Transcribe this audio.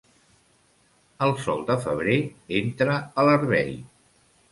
El sol de febrer entra a l'herbei.